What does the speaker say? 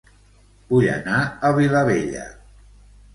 Vull anar a Vilabella